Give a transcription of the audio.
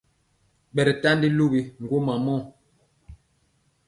Ɓɛri ntandi luwi ŋgwoma mɔ.